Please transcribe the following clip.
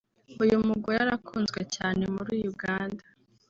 uyu mugore arakunzwe cyane muri Uganda